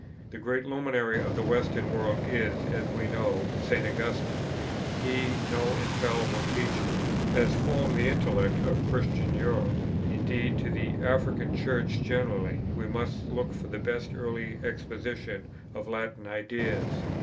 The great luminary of the western world is, as we know, St. Augustine; he, no infallible teacher, has formed the intellect of Christian Europe; indeed to the African Church generally we must look for the best early exposition of Latin ideas.